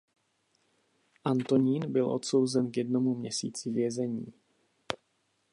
Antonín byl odsouzen k jednomu měsíci vězení.